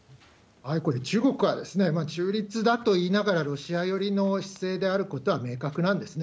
これは中国は中立だと言いながらロシア寄りの姿勢であることは明確なんですね。